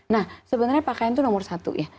nah sebenarnya pakaian itu nomor satu ya